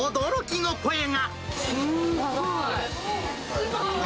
すごーい！